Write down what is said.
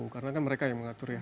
karena kan mereka yang mengatur ya